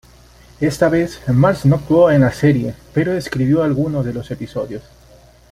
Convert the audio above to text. Esta vez, Marsh no actuó en la serie, pero escribió algunos de los episodios.